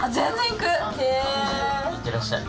行ってらっしゃい。